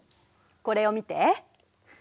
これを見て。